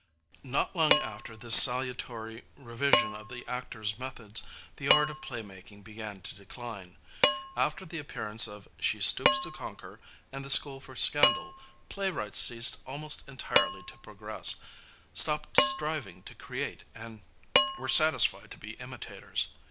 Not long after this salutary revision of the actor's methods, the art of playmaking began to decline. After the appearance of She Stoops to Conquer and the School for Scandal, playwrights ceased almost entirely to progress, stopped striving to create and were satisfied to be imitators.